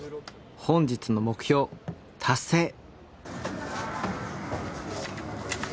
本日の目標達成！